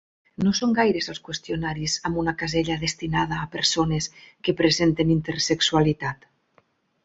No són gaires els qüestionaris amb una casella destinada a persones que presenten intersexualitat.